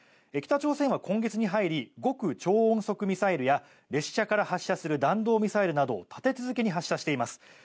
北朝鮮は今月に入り極超音速ミサイルや列車から発射する弾道ミサイルなどを立て続けに発射しています。